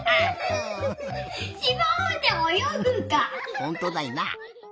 ほんとだいな。